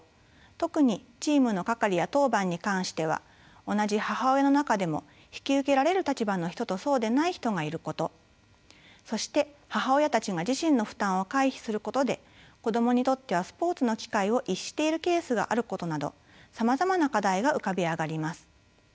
特にチームの係や当番に関しては同じ母親の中でも引き受けられる立場の人とそうでない人がいることそして母親たちが自身の負担を回避することで子どもにとってはスポーツの機会を逸しているケースがあることなどさまざまな課題が浮かび上がります。